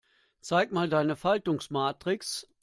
Zeig mal deine Faltungsmatrix.